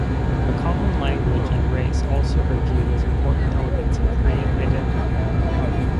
A common language and race also are viewed as important elements in Korean identity.